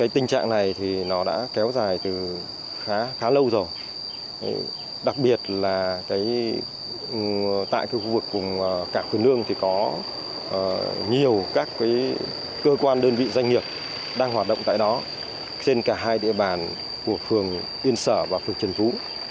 tại khu vực cả phường nương thì có nhiều các cơ quan đơn vị doanh nghiệp đang hoạt động tại đó trên cả hai địa bàn của phường yên sở và phường trần vũ